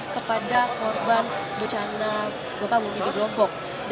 kepada korban becana bapak bupi di lombok